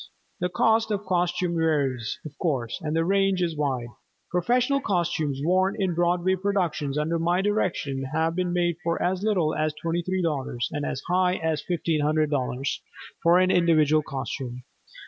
The cost of costumes varies, of course, and the range is wide. Professional costumes worn in Broadway productions under my direction have been made for as little as $23.00 and as high as $1500.00 for an individual costume.